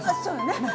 そうよね。